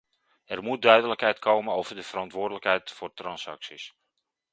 Er moet duidelijkheid komen over de verantwoordelijkheid voor transacties.